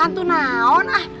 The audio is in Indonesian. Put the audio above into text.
hantu naon ah